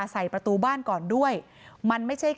นายพิรายุนั่งอยู่ติดกันแบบนี้นะคะ